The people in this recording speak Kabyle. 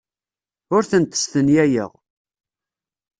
Ur tent-stenyayeɣ.